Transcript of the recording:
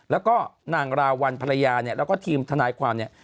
แล้วก็นางราวัลภรรยาเนี่ยแล้วก็ทีมทนายความเนี่ย